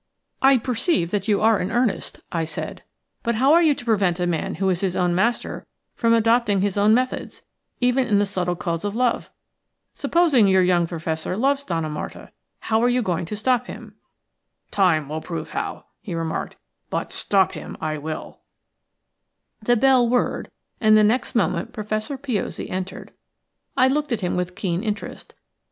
"I perceive that you are in earnest," I said; "but how are you to prevent a man who is his own master from adopting his own methods, even in the subtle cause of love? Supposing your young Professor loves Donna Marta, how are you to stop him?" "Time will prove how," he remarked; "but stop him I wilL" The bell whirred, and the next moment Professor Piozzi entered. I looked at him with keen interest.